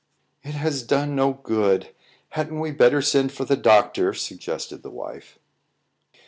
"It has done no good; hadn't we better send for the doctor?" suggested the wife.